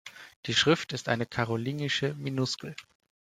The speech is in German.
Die Schrift ist eine karolingische Minuskel.